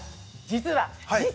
実は！